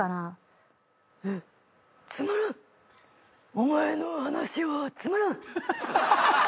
お前の話はつまらん！」